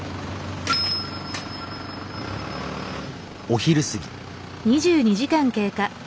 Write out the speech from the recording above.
お昼過ぎ。